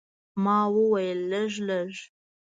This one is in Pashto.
ما وویل، لږ، لږ.